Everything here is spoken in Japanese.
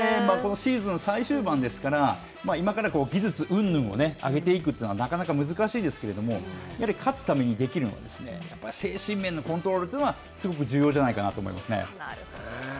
シーズン最終盤ですから、今から技術うんぬんを上げていくというのは、なかなか難しいですけれども、やはり勝つためにできるのは、精神面のコントロールというのは、すごく重要じゃないかなと思いますね。